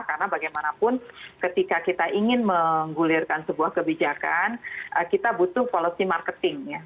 karena bagaimanapun ketika kita ingin menggulirkan sebuah kebijakan kita butuh policy marketing ya